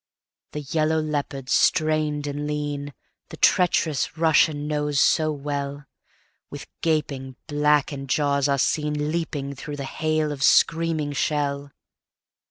The yellow leopards, strained and lean, The treacherous Russian knows so well, With gaping blackened jaws are seenLeap through the hail of screaming shell.